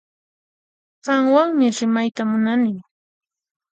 Qanwanmi rimayta munani